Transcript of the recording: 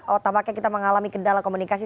oh tampaknya kita mengalami kendala komunikasi